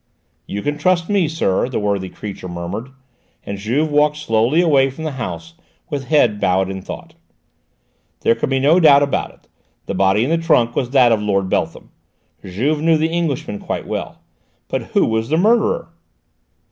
"You can trust me, sir," the worthy creature murmured, and Juve walked slowly away from the house with head bowed in thought. There could be no doubt about it: the body in the trunk was that of Lord Beltham! Juve knew the Englishman quite well. But who was the murderer?